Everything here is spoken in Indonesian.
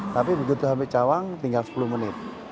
tapi begitu sampai cawang tinggal sepuluh menit